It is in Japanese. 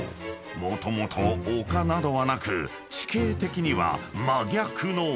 もともと丘などはなく地形的には真逆の谷］